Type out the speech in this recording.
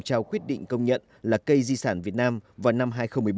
trao quyết định công nhận là cây di sản việt nam vào năm hai nghìn một mươi bốn